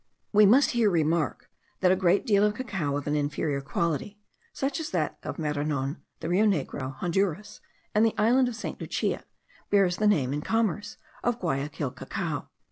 We must here remark, that a great deal of cacao of an inferior quality, such as that of Maranon, the Rio Negro, Honduras, and the island of St. Lucia, bears the name, in commerce, of Guayaquil cacao.